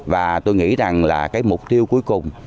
và tôi nghĩ rằng là cái mục tiêu cuối cùng